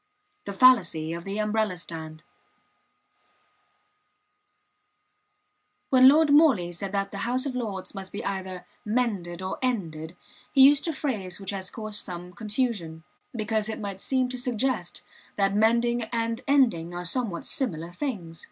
THE FALLACY OF THE UMBRELLA STAND When Lord Morley said that the House of Lords must be either mended or ended, he used a phrase which has caused some confusion; because it might seem to suggest that mending and ending are somewhat similar things.